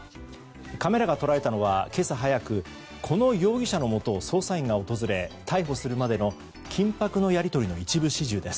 カメラが捉えたのはこの容疑者のもとを訪れ逮捕するまでの緊迫のやり取りの一部始終です。